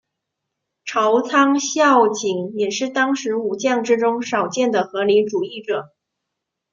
朝仓孝景也是当时武将之中少见的合理主义者。